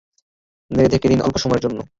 নেড়ে ঢেকে দিন অল্প সময়ের জন্য।